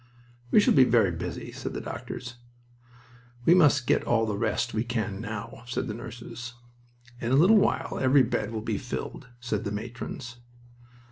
"We shall be very busy," said the doctors. "We must get all the rest we can now," said the nurses. "In a little while every bed will be filled," said the matrons.